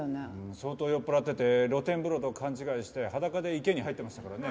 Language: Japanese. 相当酔っ払ってて露天風呂と勘違いして裸で池に入ってましたからね。